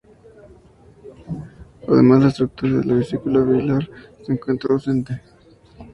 Además la estructura de la vesícula biliar se encuentra ausente.